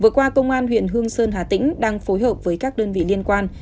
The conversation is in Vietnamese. vừa qua công an huyện hương sơn hà tĩnh đang phối hợp với các đơn vị liên quan